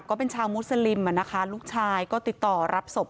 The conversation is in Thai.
ก็เป็นชาวมุสลิมลูกชายก็ติดต่อรับศพ